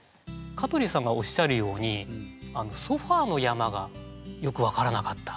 香取さんがおっしゃるように「ソファーの山」がよく分からなかった。